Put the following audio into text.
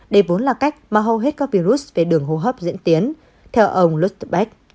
đây vốn là cách mà hầu hết các virus về đường hô hấp diễn tiến theo ông lottebet